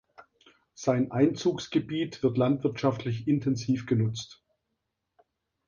Sein Einzugsgebiet wird landwirtschaftlich intensiv genutzt.